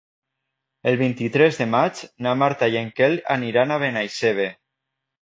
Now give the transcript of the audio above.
El vint-i-tres de maig na Marta i en Quel aniran a Benaixeve.